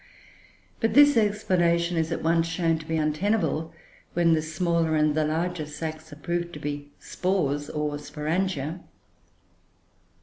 But this explanation is at once shown to be untenable when the smaller and the larger sacs are proved to be spores or sporangia.